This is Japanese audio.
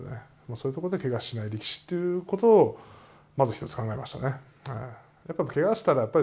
そういうとこでけがしない力士っていうことをまず一つ考えましたね。